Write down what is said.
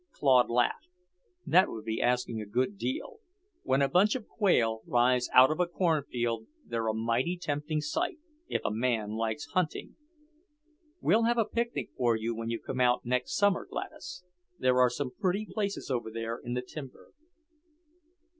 Claude laughed. "That would be asking a good deal. When a bunch of quail rise out of a cornfield they're a mighty tempting sight, if a man likes hunting. We'll have a picnic for you when you come out next summer, Gladys. There are some pretty places over there in the timber."